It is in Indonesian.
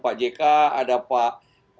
pak jk ada pak